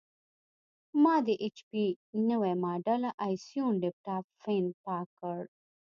ما د ایچ پي نوي ماډل ائ سیون لېپټاپ فین پاک کړ.